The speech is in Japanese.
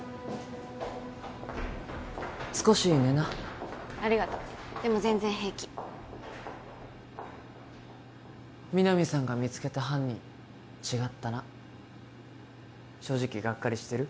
少し寝なありがとでも全然平気皆実さんが見つけた犯人違ったな正直ガッカリしてる？